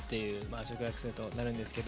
直訳するとなるんですけど。